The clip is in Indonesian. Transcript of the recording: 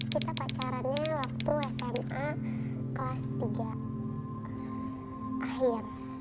kita pacarannya waktu sma kelas tiga akhir